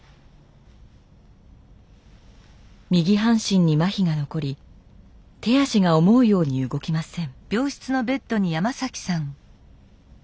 右半身にまひが残り手足が思うように動きません。